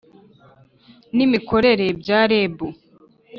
N imikorere bya reb